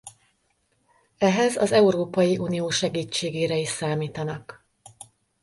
Ehhez az Európai Unió segítségére is számítanak.